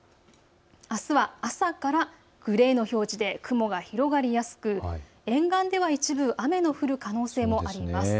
あすは朝からグレーの表示で雲が広がりやすく沿岸では一部雨の降る可能性もあります。